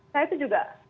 saya tuh juga